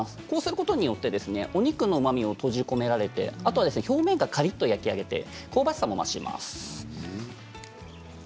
こうすることによってお肉のうまみが閉じ込められて表面がカリっと焼き上げられて香ばしさも増します。